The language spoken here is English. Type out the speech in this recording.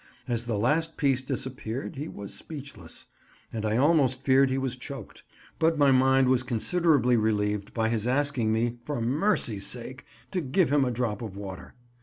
As the last piece disappeared, he was speechless, and I almost feared he was choked; but my mind was considerably relieved by his asking me, for mercy's sake, to give him a drop of water.